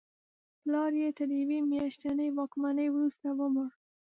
پلار یې تر یوې میاشتنۍ واکمنۍ وروسته ومړ.